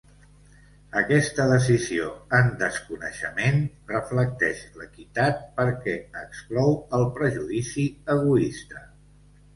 Aquesta decisió en desconeixement reflecteix l'equitat perquè exclou el prejudici egoista.